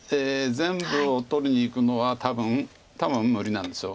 全部を取りにいくのは多分多分無理なんです。